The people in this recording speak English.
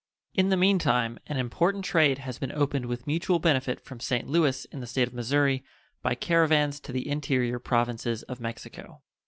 In the mean time, an important trade has been opened with mutual benefit from St. Louis, in the State of Missouri, by caravans to the interior Provinces of Mexico.